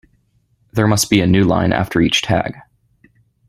There must be a newline after each tag.